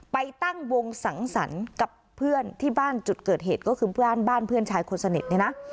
ไปตั้งวงสังสรรค์กับเพื่อนที่บ้านจุดเกิดเหตุก็คือเพื่อนบ้านเพื่อนชายคนสนิทเนี่ยนะ